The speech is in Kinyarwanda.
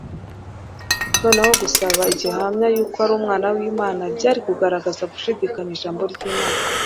noneho gusaba igihamya yuko ari Umwana w'Imana byari kugaragaza gushidikanya ijambo ry'Imana,